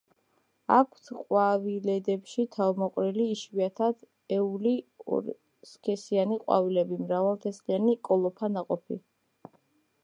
აქვთ ყვავილედებში თავმოყრილი, იშვიათად ეული ორსქესიანი ყვავილები, მრავალთესლიანი კოლოფა ნაყოფი.